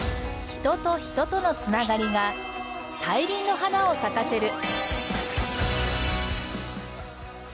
人と人との繋がりが大輪の花を咲かせる。